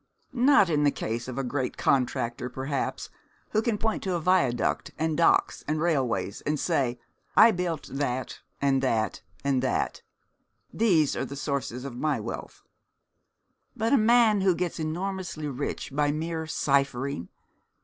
Not in the case of a great contractor, perhaps, who can point to a viaduct and docks and railways, and say, "I built that, and that, and that. These are the sources of my wealth." But a man who gets enormously rich by mere ciphering!